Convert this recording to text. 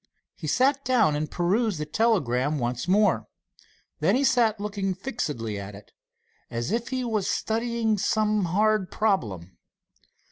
He sat down and perused the telegram once more. Then he sat looking fixedly at it, as if he was studying some hard problem.